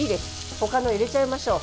他のを入れちゃいましょう。